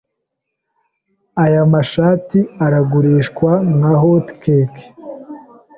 Aya mashati aragurishwa nka hotcake.